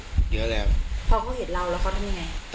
พอพูดเห็นเราแล้วเขาทำอย่างไร